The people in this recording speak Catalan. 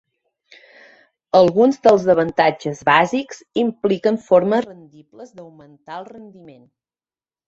Alguns dels avantatges bàsics impliquen formes rendibles d'augmentar el rendiment.